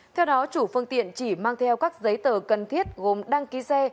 theo đó chủ phương tiện chỉ mang theo các giấy tờ cần thiết gồm đăng ký xe